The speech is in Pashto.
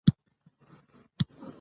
فرهنګ د خلکو د فکر د بدلون نښې ښيي.